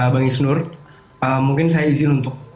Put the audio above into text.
bang isnur mungkin saya izin untuk